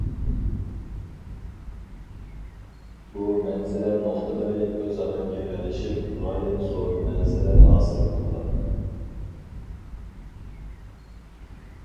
بۇ مەنزىرە نۇقتىلىرى ئۆزئارا گىرەلىشىپ، غايەت زور مەنزىرە ھاسىل قىلغان.